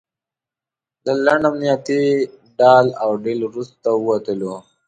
له لنډ امنیتي ډال او ډیل وروسته ووتلو.